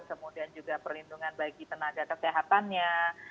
kemudian juga perlindungan bagi tenaga kesehatannya